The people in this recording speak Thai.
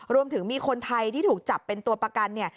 รวมถึงมีคนไทยที่ถูกจับเป็นตัวประกันเนี่ย